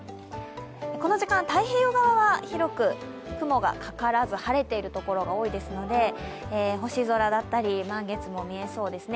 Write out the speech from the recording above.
この時間、太平洋側は広く雲がかからず、晴れているところが多いですので、星空だったり満月も見えそうですね。